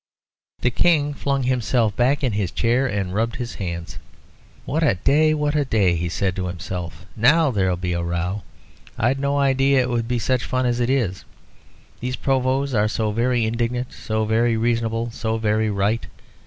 The King flung himself back in his chair, and rubbed his hands. "What a day, what a day!" he said to himself. "Now there'll be a row. I'd no idea it would be such fun as it is. These Provosts are so very indignant, so very reasonable, so very right.